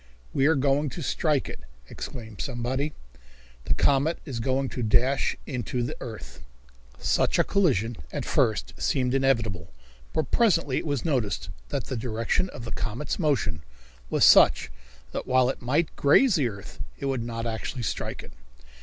"We are going to strike it!" exclaimed somebody. "The comet is going to dash into the earth." Such a collision at first seemed inevitable, but presently it was noticed that the direction of the comet's motion was such that while it might graze the earth it would not actually strike it.